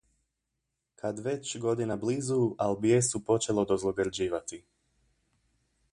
Kad već godina blizu, al bijesu počelo dozlogrđivati.